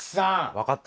分かった？